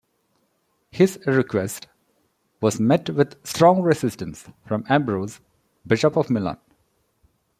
His request was met with strong resistance from Ambrose, Bishop of Milan.